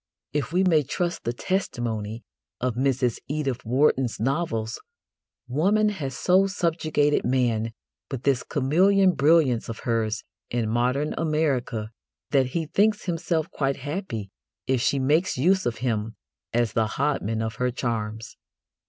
If we may trust the testimony of Mrs Edith Wharton's novels, woman has so subjugated man with this chameleon brilliance of hers in modern America that he thinks himself quite happy if she makes use of him as the hodman of her charms.